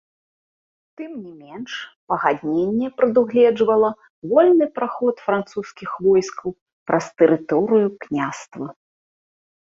Тым не менш, пагадненне прадугледжвала вольны праход французскіх войскаў праз тэрыторыю княства.